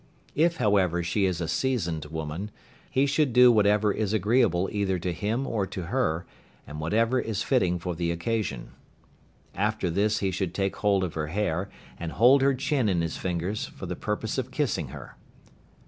If however she is a seasoned woman, he should do whatever is agreeable either to him or to her, and whatever is fitting for the occasion. After this he should take hold of her hair, and hold her chin in his fingers for the purpose of kissing her.